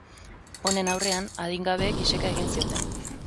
Honen aurrean, adingabeek iseka egin zioten.